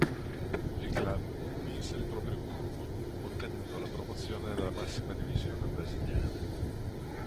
Il club vinse il proprio gruppo, ottenendo la promozione nella massima divisione brasiliana.